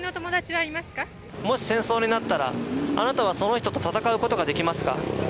もし戦争になったらあなたはその人と戦うことができますか？